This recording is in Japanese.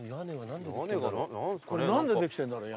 これ何でできてるんだろう？